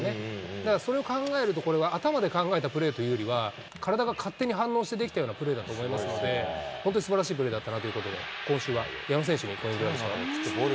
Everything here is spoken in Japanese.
だからそれを考えると、これは頭で考えたプレーというよりは、体が勝手に反応してできたようなプレーだと思いますので、本当にすばらしいプレーだったなということで、今週は矢野選手にゴーインググラブ賞です。